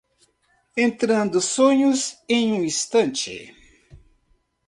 Entrando sonhos em um instante